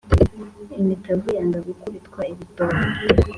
Imitavu yanga gukubitwa ibitovu